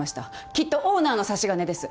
きっとオーナーの差し金です。